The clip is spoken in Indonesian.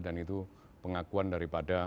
dan itu pengakuan daripada saya